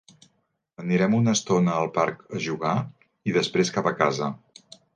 Anirem una estona al parc a jugar i després cap a casa.